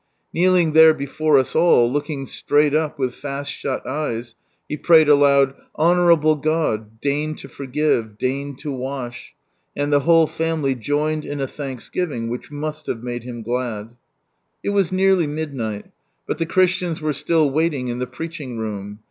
Kneeling there before us all, looking straight up with fast shut eyes, he prayed aloud, "Honourable God, deign to forgive, deign to wash," and the whole family joined in a thanksgiving which must have made Him glad. It was neatly midnight ; but the Christians were still waiting in the preaching room.